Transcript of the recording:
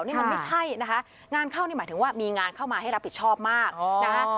นี่มันไม่ใช่นะคะงานเข้านี่หมายถึงว่ามีงานเข้ามาให้รับผิดชอบมากนะคะ